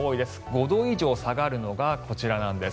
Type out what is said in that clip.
５度以上下がるのがこちらなんです。